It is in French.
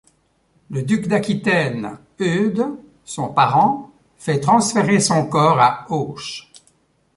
Le duc d'Aquitaine, Eudes, son parent, fait transférer son corps à Auch.